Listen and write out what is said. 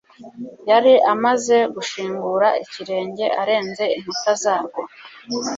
yari amaze gushingura ikirenge arenze inkuta zarwo,